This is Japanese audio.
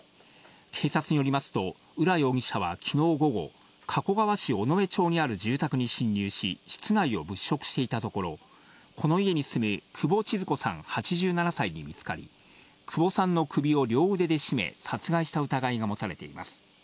警察によりますと、浦容疑者はきのう午後、加古川市尾上町にある住宅に侵入し、室内を物色していたところ、この家に住む久保千鶴子さん８７歳に見つかり、久保さんの首を両腕で絞め、殺害した疑いが持たれています。